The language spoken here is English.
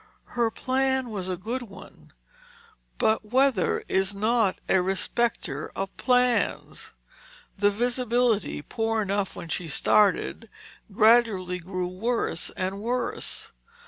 Her plan was a good one. But weather is not a respecter of plans. The visibility, poor enough when she started, gradually grew worse and worse.